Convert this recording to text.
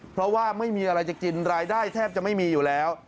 เพราะว่าไม่มีอะไรจะกินรายได้แทบจะไม่มีอยู่แล้ว